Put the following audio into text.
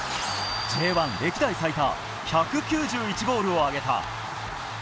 Ｊ１歴代最多、１９１ゴールを挙げた。